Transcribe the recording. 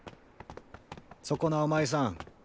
そこなおまいさん。